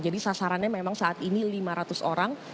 jadi sasarannya memang saat ini lima ratus orang